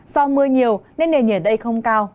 do mưa nhiều nên nền nhiệt đây không cao